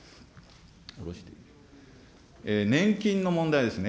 年金の問題ですね。